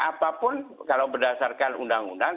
apapun kalau berdasarkan undang undang